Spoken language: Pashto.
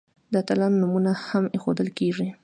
د اتلانو نومونه هم ایښودل کیږي.